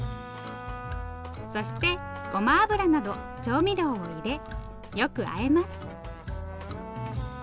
そしてごま油など調味料を入れよくあえます。